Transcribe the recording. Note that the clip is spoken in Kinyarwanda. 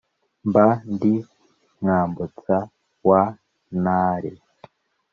mba ndi mwambutsa wa ntare,